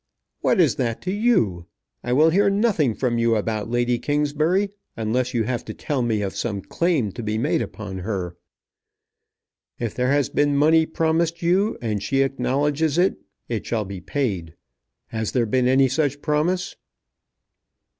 "What is that to you? I will hear nothing from you about Lady Kingsbury, unless you have to tell me of some claim to be made upon her. If there has been money promised you, and she acknowledges it, it shall be paid. Has there been any such promise?"